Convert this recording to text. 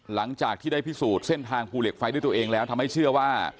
หลังจากที่ได้พิสูจน์เส้นทางภูเหล็กไฟด้วยตัวเองแล้วทำให้เชื่อว่า